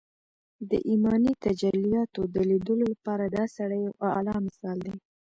د ايماني تجلياتو د ليدو لپاره دا سړی يو اعلی مثال دی